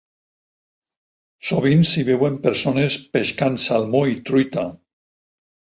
Sovint s'hi veuen persones pescant salmó i truita.